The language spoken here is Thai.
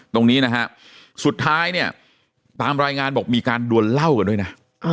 ตรงนี้นะฮะสุดท้ายเนี่ยตามรายงานบอกมีการดวนเหล้ากันด้วยนะ